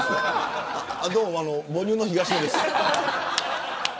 どうも、母乳の東野です。